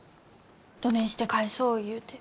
どねんして返そう言うて。